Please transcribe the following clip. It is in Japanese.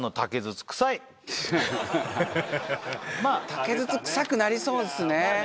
竹筒臭くなりそうですね。